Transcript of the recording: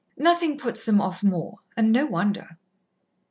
Nothing puts them off more and no wonder."